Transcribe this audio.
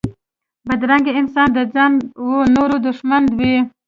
بدرنګه انسان د ځان و نورو دښمن وي